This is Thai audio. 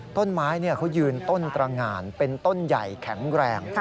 ต้นไม้เขายืนต้นตรงานเป็นต้นใหญ่แข็งแรง